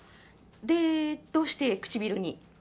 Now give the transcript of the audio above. でどうしてくちびるに？